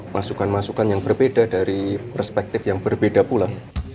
masukan masukan yang berbeda dari perspektif yang berbeda pula